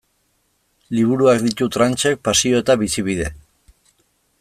Liburuak ditu Tranchek pasio eta bizibide.